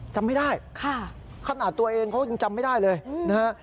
จำไม่ได้ค่ะขนาดตัวเองเขายังจำไม่ได้เลยนะฮะ